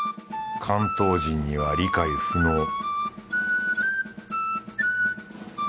関東人には理解不能